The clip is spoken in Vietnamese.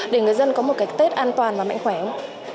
để người dân có một cái tết an toàn và mạnh khỏe không